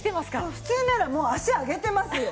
普通ならもう足上げてますよ。